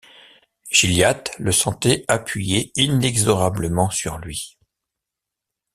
Gilliatt le sentait appuyé inexorablement sur lui.